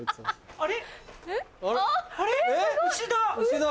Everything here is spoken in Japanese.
あれ？